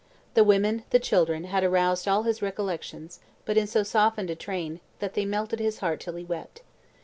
The women, the children, had aroused all his recollections but in so softened a train, that they melted his heart till he wept.